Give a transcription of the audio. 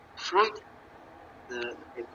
حکومت به خلګ په نوو لوبو بوخت کړي.